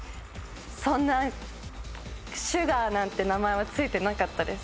そんなシュガーなんて名前はついてなかったです